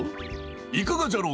いかがじゃろうか？